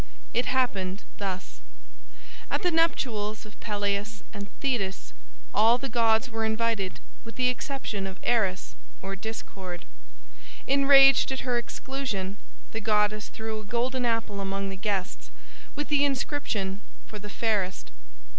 It happened thus: At the nuptials of Peleus and Thetis all the gods were invited with the exception of Eris, or Discord. Enraged at her exclusion, the goddess threw a golden apple among the guests, with the inscription, "For the fairest."